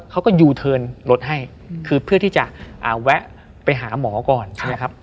เขาก็ยูเทิร์นรถให้คือเพื่อที่จะแวะไปหาหมอก่อนใช่ไหมครับ